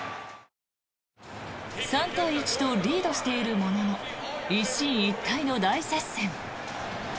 ３対１とリードしているものの一進一退の大接戦。